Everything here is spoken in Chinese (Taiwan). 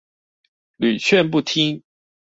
屢勸不聽